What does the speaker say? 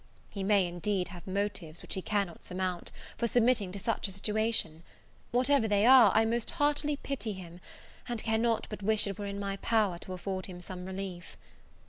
He may, indeed, have motives, which he cannot surmount, for submitting to such a situation. Whatever they are, I most heartily pity him, and cannot but wish it were in my power to afford him some relief.